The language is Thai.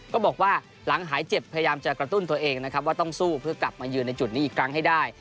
ก็บอกว่าหลังหายเจ็บพยายามจะกระตุ้นตัวเองนะครับว่าต้องสู้เพื่อกลับมายืนในจุดนี้อีกครั้งให้ได้